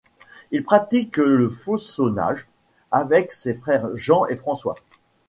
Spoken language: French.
Il pratique le faux-saunage avec ses frères Jean et François.